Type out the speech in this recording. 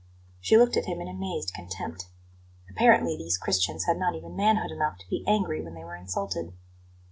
She looked at him in amazed contempt. Apparently, these Christians had not even manhood enough to be angry when they were insulted.